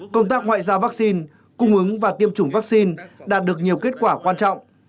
công tác ngoại giao vaccine cung ứng và tiêm chủng vaccine đạt được nhiều kết quả quan trọng